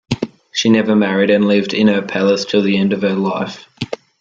She never married and lived in her palace till the end of her life.